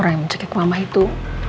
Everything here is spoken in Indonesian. orang yang mencekik mama itu